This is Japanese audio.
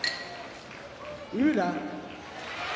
宇良